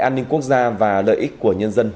an ninh quốc gia và lợi ích của nhân dân